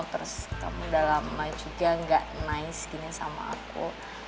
terus kamu udah lama juga gak nice gini sama aku